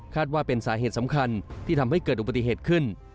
ว่าเป็นสาเหตุสำคัญที่ทำให้เกิดอุบัติเหตุขึ้น